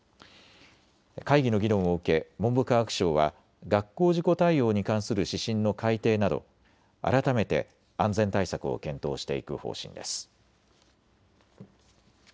会議の議論を受け、文部科学省は学校事故対応に関する指針の改訂など改めて安全対策を検討していく方針です。